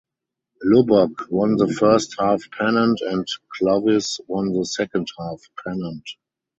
Lubbock won the first half pennant and Clovis won the second half pennant.